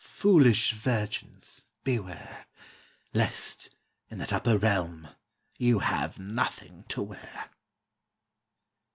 foolish virgins, beware! Lest in that upper realm you have nothing to wear!